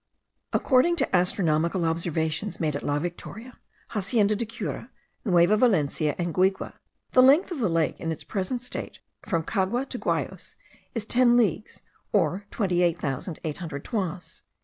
According to astronomical observations made at La Victoria, Hacienda de Cura, Nueva Valencia, and Guigue, the length of the lake in its present state from Cagua to Guayos, is ten leagues, or twenty eight thousand eight hundred toises.